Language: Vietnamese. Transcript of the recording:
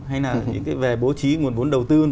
hay là về bố trí nguồn vốn đầu tư